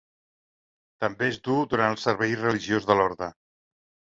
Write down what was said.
També es duu durant el servei religiós de l'orde.